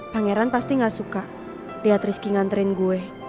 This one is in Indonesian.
pangeran pasti gak suka lihat rizky nganterin gue